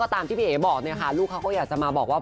คือตามที่พี่เอ๋บอกลูกเขาก็อยากจะมาบอกว่า